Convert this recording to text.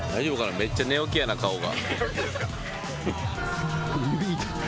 めっちゃ寝起きやな、顔が。